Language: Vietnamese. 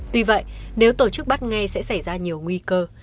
tuy vậy nếu tổ chức bắt ngay sẽ xảy ra nhiều nguy cơ